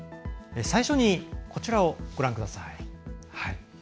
最初に、こちらをご覧ください。